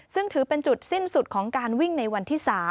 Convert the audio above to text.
ซึ่งถือเป็นจุดสิ้นสุดของการวิ่งในวันที่๓